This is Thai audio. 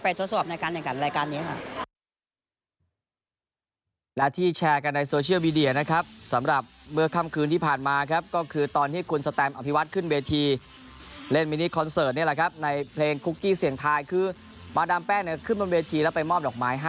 ไปทดสอบในการแห่งการรายการนี้ครับ